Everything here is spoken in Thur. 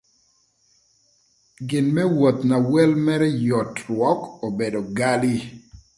Gin më woth na wel mërë yot rwök obedo gali.